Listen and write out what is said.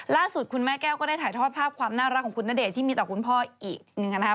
คุณแม่แก้วก็ได้ถ่ายทอดภาพความน่ารักของคุณณเดชน์ที่มีต่อคุณพ่ออีกหนึ่งนะครับ